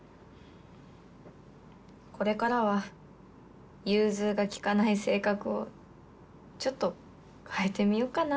これからは融通が利かない性格をちょっと変えてみようかな。